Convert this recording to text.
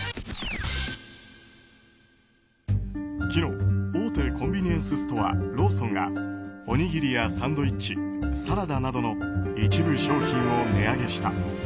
昨日大手コンビニエンスストアローソンがおにぎりやサンドイッチサラダなどの一部商品を値上げした。